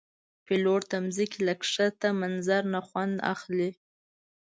پیلوټ د ځمکې له ښکته منظر نه خوند اخلي.